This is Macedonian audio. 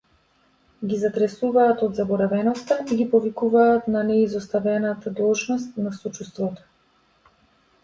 Ги затресуваат од заборавеноста и ги повикуваат на неизоставната должност на сочувството.